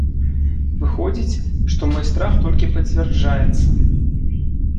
Выходзіць, што мой страх толькі пацвярджаецца.